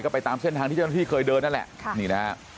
ก็ไปตามเส้นทางที่เจ้าหน้าที่เคยเดินนั่นแหละนี่นะฮะ